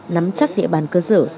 nắm chắc địa bàn cơ sở